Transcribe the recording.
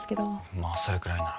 まあそれくらいなら。